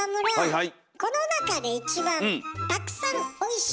はい。